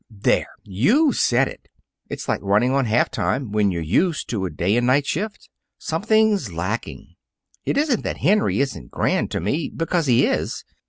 "There! You've said it! It's like running on half time when you're used to a day and night shift. Something's lacking. It isn't that Henry isn't grand to me, because he is.